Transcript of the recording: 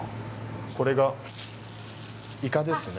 これがイカですね。